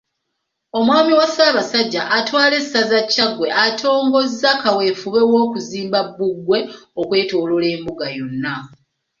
Omwami wa Ssaabasajja atwala essaza Kyaggwe, atongozza kaweefube w'okuzimba bbugwe okwetooloola Embuga yonna.